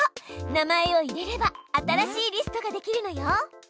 名前を入れれば新しいリストができるのよ。